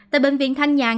tại bệnh viện thanh nhàn